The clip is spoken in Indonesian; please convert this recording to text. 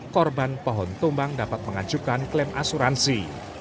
korban pohon tumbang dapat mengajukan klaim asuransi